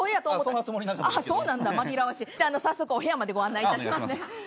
では早速お部屋までご案内いたしますね。